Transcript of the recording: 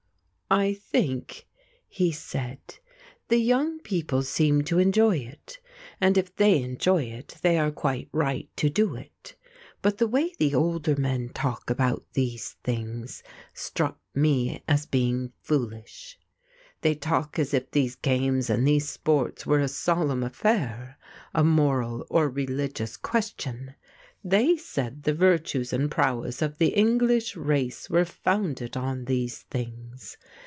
"I think," he said, "the young people seemed to enjoy it, and if they enjoy it they are quite right to do it. But the way the older men talk about these things struck me as being foolish. They talk as if these games and these sports were a solemn affair, a moral or religious question; they said the virtues and the prowess of the English race were founded on these things.